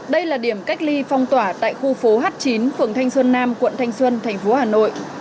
đây là điểm cách ly phong tỏa tại khu phố h chín phường thanh xuân nam quận thanh xuân thành phố hà nội